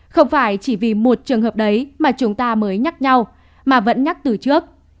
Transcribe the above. không phải chỉ vì một trường hợp đấy mà chúng ta mới nhắc nhau mà vẫn nhắc từ trước